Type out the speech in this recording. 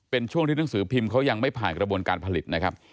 เป็นช่วงที่หนังสือพิมพ์เขายังไม่ผ่านกระบวนการผลิตนะครับ